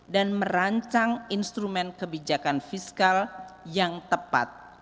dan merancang instrumen kebijakan fiskal yang tepat